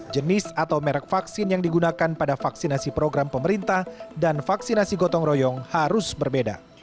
jenis atau merek vaksin yang digunakan pada vaksinasi program pemerintah dan vaksinasi gotong royong harus berbeda